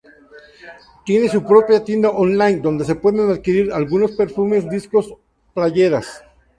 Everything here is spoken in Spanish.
Tiene su propia tienda Online donde se pueden adquirir algunos perfumes, discos, playeras.